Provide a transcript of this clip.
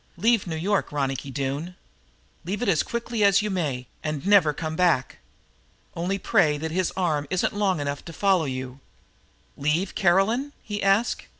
Leave New York, Ronicky Doone. Leave it as quickly as you may, and never come back. Only pray that his arm isn't long enough to follow you." "Leave Caroline?" he asked.